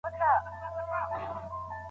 که مطالعه دوام ولري نو ذهن نه تنګېږي.